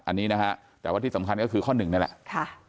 อันนี้นะฮะแต่ว่าที่สำคัญก็คือข้อหนึ่งนี่แหละ